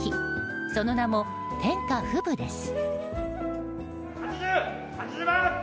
その名も、天下富舞です。